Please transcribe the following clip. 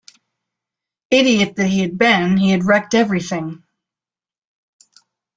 Idiot that he had been, he had wrecked everything!